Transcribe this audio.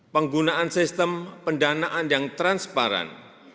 penggunaan sistem pendanaan yang transparan